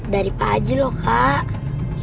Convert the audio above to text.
dari pak haji loh kak